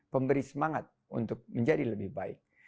pemberi semangat untuk menjadi lebih baik